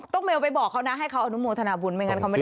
เมลไปบอกเขานะให้เขาอนุโมทนาบุญไม่งั้นเขาไม่ได้